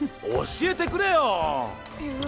教えてくれよ。